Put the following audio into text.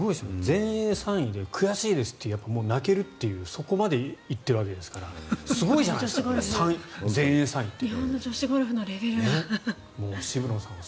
全英３位で悔しいですって泣けるというそこまで行っているわけですからすごいじゃないですか全英３位って。